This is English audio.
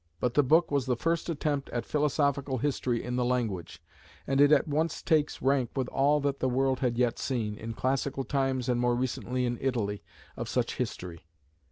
But the book was the first attempt at philosophical history in the language, and it at once takes rank with all that the world had yet seen, in classical times and more recently in Italy, of such history.